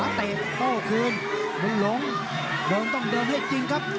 ขวาเตะโต้คืนลงต้องเดินให้จริงครับ